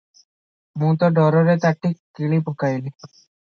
ମୁଁ ତ ଡରରେ ତାଟି କିଳିପକାଇଲି ।